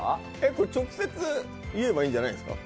直接言えばいいんじゃないですか？